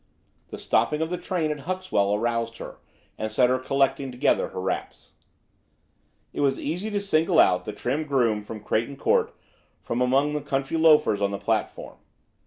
The stopping of the train at Huxwell aroused her, and set her collecting together her wraps. It was easy to single out the trim groom from Craigen Court from among the country loafers on the platform.